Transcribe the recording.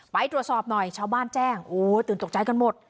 ไปตรวจสอบหน่อยชาวบ้านแจ้งโอ้ตื่นตกใจกันหมด